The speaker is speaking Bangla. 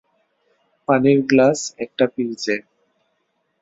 পানির গ্লাস, একটা পিরিচে।